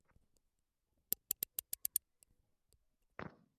আচ্ছা, দুঃখের ব্যাপার।